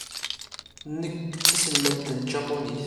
Nekk d taselmadt n tjapunit.